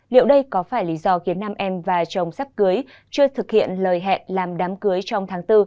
liệu đây có phải lý do khiến nam em và chồng sắp cưới chưa thực hiện lời hẹn làm đám cưới trong tháng bốn